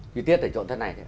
chi tiết ở chỗ thế này